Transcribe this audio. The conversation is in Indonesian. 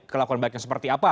kelakuan baiknya seperti apa